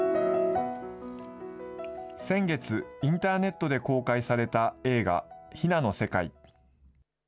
先月、インターネットで公開された映画、陽菜のせかい。